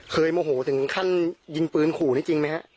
โมโหถึงขั้นยิงปืนขู่นี่จริงไหมฮะ